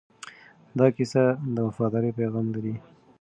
دا کیسه د وفادارۍ پیغام لري.